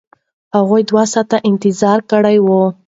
هغوی دوه ساعته انتظار کړی و.